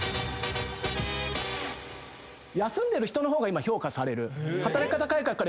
休んでる人の方が今評価される。